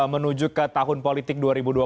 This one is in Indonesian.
menuju ke tahun politik dua ribu dua puluh